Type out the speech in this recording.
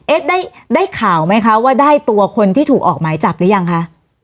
ได้ได้ข่าวไหมคะว่าได้ตัวคนที่ถูกออกหมายจับหรือยังคะ